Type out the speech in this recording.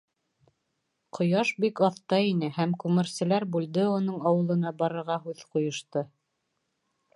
Ҡояш бик аҫта ине һәм күмерселәр Бульдеоның ауылына барырға һүҙ ҡуйышты.